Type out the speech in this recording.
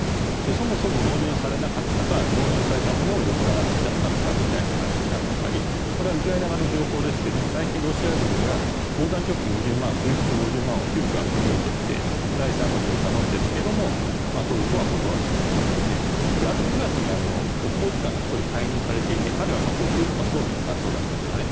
そもそも納入されなかったか納入されたものを横流ししちゃったのかみたいな話になっていたりこれはウクライナ側の情報ですが最近ロシア軍が防弾チョッキ２０万冬服１０万を急きょ集めようとして第三国に頼んでいるけどトルコは断ったとか９月に国防次官が１人解任されていて彼は補給とか装備の担当だったんですね。